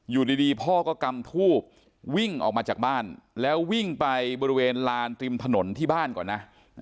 อยู่ดีพ่อก็กำทูบวิ่งออกมาจากบ้านแล้ววิ่งไปบริเวณลานริมถนนที่บ้านก่อนนะ